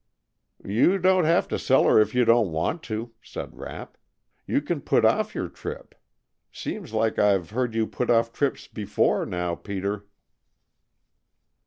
"You don't have to sell her if you don't want to," said Rapp. "You can put off your trip. Seems like I've heard you put off trips before now, Peter."